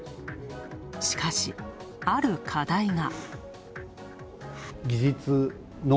しかし、ある課題が。